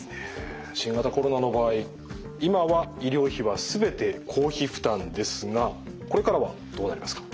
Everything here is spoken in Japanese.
新型コロナの場合今は医療費は全て公費負担ですがこれからはどうなりますか？